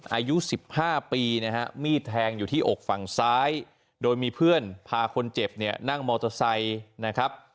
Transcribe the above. อายุ๑๕ปีนะฮะมีดแทงอยู่ที่อกฝั่งซ้ายโดยมีเพื่อนพาคนเจ็บเนี่ยนั่งมอเตอร์ไซค์นะครับ